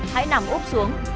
hãy nằm úp xuống